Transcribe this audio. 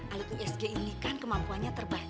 alat usg ini kan kemampuannya terbatas